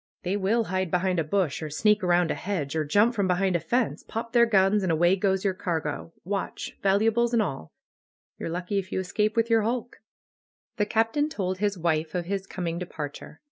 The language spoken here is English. ^'They will hide behind a bush, or sneak around a hedge, or jump from behind a fence, pop their guns, and away goes your cargo, watch — valuables, and all. You're lucky if 3 ^ou escape with your hulk V* The Captain told his wife of his coming departure.